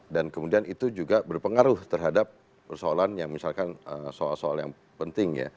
dan kemudian itu juga berpengaruh terhadap persoalan yang misalkan soal soal yang penting ya